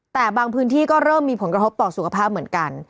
แต่บางพื้นที่ก็เริ่มมีผลกระทบต่อสุขภาพเหมือนกัน